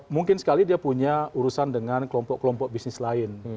mungkin sekali dia punya urusan dengan kelompok kelompok bisnis lain